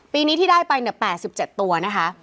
ปีนี้ที่ได้ไป๘๗ตัวนะคะ